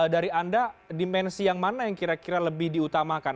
dari anda dimensi yang mana yang kira kira lebih diutamakan